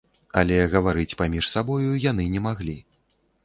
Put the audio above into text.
Але гаварыць паміж сабою яны не маглі.